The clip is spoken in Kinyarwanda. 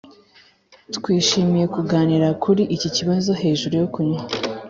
twishimiye kuganira kuri iki kibazo hejuru yo kunywa.